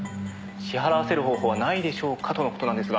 「支払わせる方法はないでしょうかとの事なんですが」